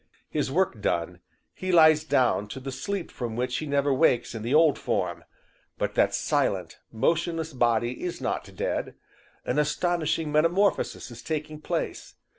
His work done, he lies down to the sleep from which he never wakes in the old form. But that silent, motionless body is not dead; an astonishing metamorphosis is taking place.